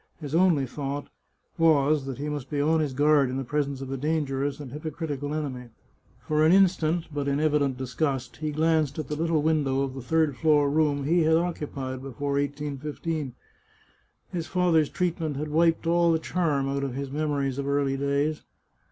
His only thought was that he must be on his guard in the presence of a dangerous and hypocritical enemy. For an instant, but in evident disgust, he glanced at the little window of the third floor room he had occupied before 1815. His father's treatment had wiped all the charm out of his memories of early days.